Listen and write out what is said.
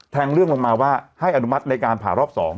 เรื่องลงมาว่าให้อนุมัติในการผ่ารอบ๒